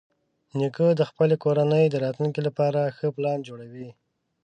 نیکه د خپلې کورنۍ د راتلونکي لپاره ښه پلان جوړوي.